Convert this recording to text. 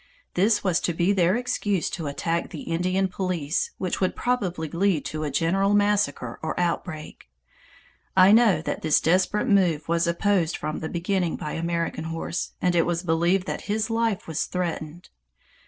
This was to be their excuse to attack the Indian police, which would probably lead to a general massacre or outbreak. I know that this desperate move was opposed from the beginning by American Horse, and it was believed that his life was threatened.